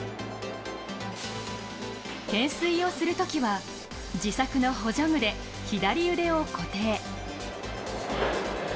懸垂をするときは、自作の補助具で左腕を固定。